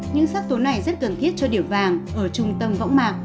những sắc tố này rất cần thiết cho điểm vàng ở trung tâm võng mạc